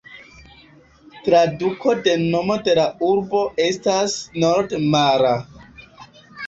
Traduko de nomo de la urbo estas "nord-mara".